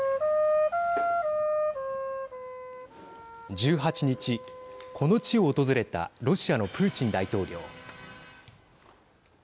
１８日この地を訪れたロシアのプーチン大統領。